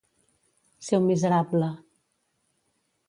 Ser un miserable.